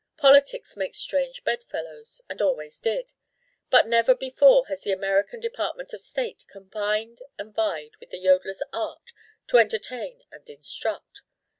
Politics makes strange bedfellows and always did. But never before has the American Department of State combined and vied with the yodler's art to entertain and instruct.